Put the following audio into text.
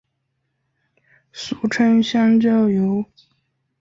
俗称香蕉油。